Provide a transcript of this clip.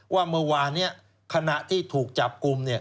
ว่าเมื่อวานนี้ขณะที่ถูกจับกลุ่ม